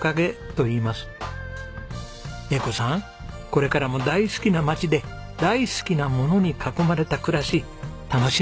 これからも大好きな町で大好きな物に囲まれた暮らし楽しんでください。